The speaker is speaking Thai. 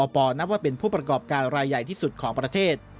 นับว่าเป็นผู้ประกอบการรายใหญ่ที่สุดของประเทศ